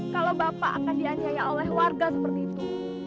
kalau bapak akan dianyaya oleh warga seperti itu